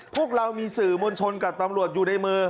พวกเรามีสื่อมวลชนกับตำรวจอยู่ในมือ